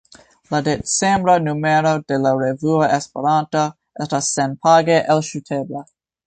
La decembra numero de la revuo Esperanto estas senpage elŝutebla.